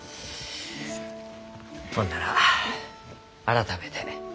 ほんなら改めて。